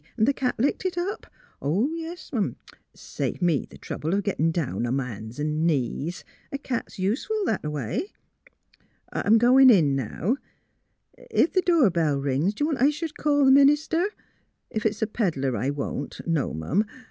Th' cat licked it up. Yes'm, saved me th' trouble o' gettin' down on m' ban's 'n' knees. A cat's useful that a way. ... I'm goin' in now. ... If th' door bell rings d' you want I should call th' min ister? ... Ef it's a pedlar, I won't? No'm.